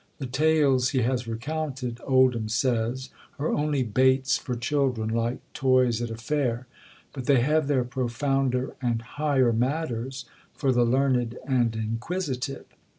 The tales he has recounted, Oldham says, are only baits for children, like toys at a fair; but they have their profounder and higher matters for the learned and inquisitive.